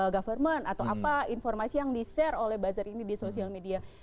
government atau apa informasi yang di share oleh buzzer ini di sosial media